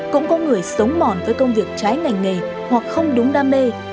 cũng có người sống mòn với công việc trái ngành nghề hoặc không đúng đam mê